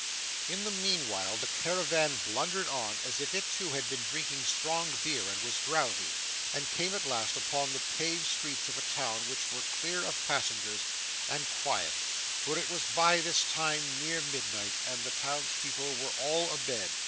In the meanwhile, the caravan blundered on as if it too had been drinking strong beer and was drowsy, and came at last upon the paved streets of a town which were clear of passengers, and quiet, for it was by this time near midnight, and the townspeople were all abed.